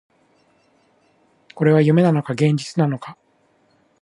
これは夢なのか、現実なのか